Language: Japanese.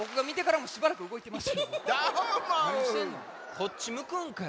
こっちむくんかい？